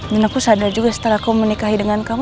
dan aku sadar juga setelah aku menikahi dengan kamu